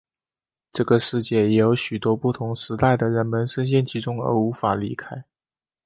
这个世界也有许多不同时代的人们身陷其中而无法离开。